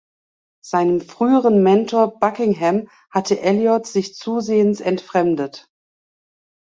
Seinem früheren Mentor Buckingham hatte Eliot sich zusehends entfremdet.